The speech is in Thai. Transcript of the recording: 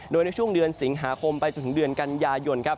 โดยในช่วงเดือนสิงหาคมไปจนถึงเดือนกันยายนครับ